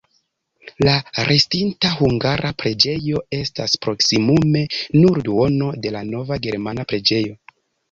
La restinta hungara preĝejo estas proksimume nur duono de la nova germana preĝejo.